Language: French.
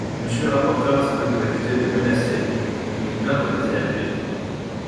Monsieur le rapporteur a semblé nous accuser de menacer, ou de nous plaindre des IRP.